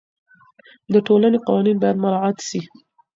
د ټولني قوانین باید مراعات سي.